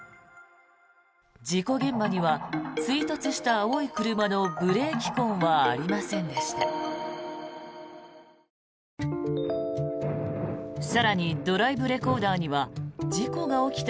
事故現場には追突した青い車のブレーキ痕はありませんでした。